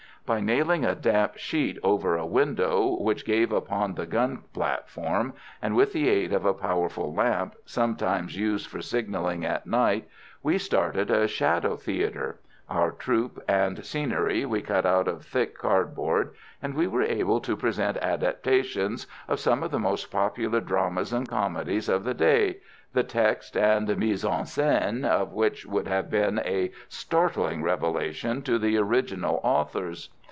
By nailing a damp sheet over a window which gave upon the gun platform, and with the aid of a powerful lamp, sometimes used for signalling at night, we started a shadow theatre. Our troupe and scenery we cut out of thick cardboard, and we were able to present adaptations of some of the most popular dramas and comedies of the day, the text and mise en scène of which would have been a startling revelation to the original authors.